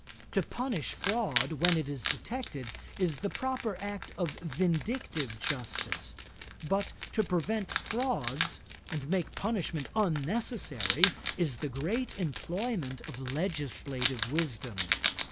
To punish fraud when it is detected, is the proper act of vindictive justice; but to prevent frauds, and make punishment unnecessary, is the great employment of legislative wisdom.